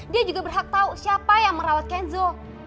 dia juga berhak tahu siapa yang merawat kenzo